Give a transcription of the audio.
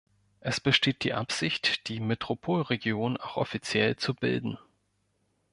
Es besteht die Absicht, die Metropolregion auch offiziell zu bilden.